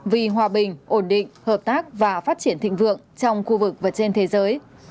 vì hòa bình ổn định hợp tác và phát triển thịnh vượng trong khu vực và trên thế giới